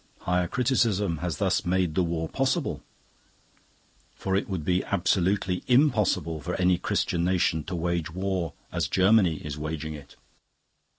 Higher Criticism has thus made the war possible; for it would be absolutely impossible for any Christian nation to wage war as Germany is waging it.